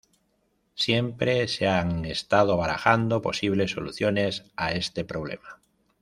Siempre se han estado barajando posibles soluciones a este problema.